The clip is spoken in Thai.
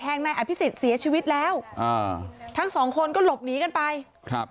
นายอภิษฎเสียชีวิตแล้วอ่าทั้งสองคนก็หลบหนีกันไปครับ